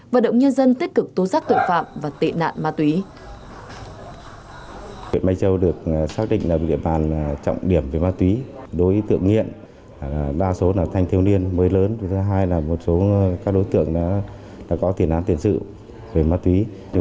và động nhân dân tích cực tố giác tội phạm và tên nạn ma túy